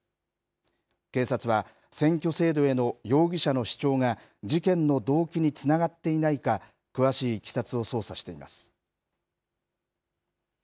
警察は、選挙制度への容疑者の主張が事件の動機につながっていないか、詳しいいきさつを捜査しています。